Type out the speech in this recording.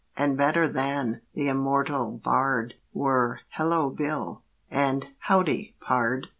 And better than "The Immortal Bard" Were "Hello, Bill," and "Howdy, pard!"